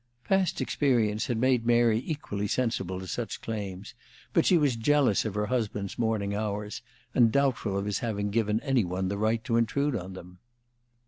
Past experience had made Mary equally sensible to such claims; but she was jealous of her husband's morning hours, and doubtful of his having given any one the right to intrude on them.